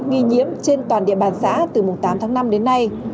nghi nhiễm trên toàn địa bàn xã từ mùng tám tháng năm đến nay